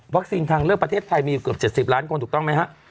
ทางเลือกประเทศไทยมีอยู่เกือบ๗๐ล้านคนถูกต้องไหมฮะ